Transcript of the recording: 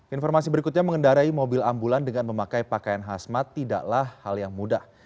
informasi berikutnya mengendarai mobil ambulan dengan memakai pakaian hasmat tidaklah hal yang mudah